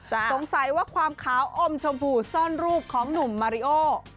สงสัยว่าความขาวอมชมพูซ่อนรูปของหนุ่มมาริโอ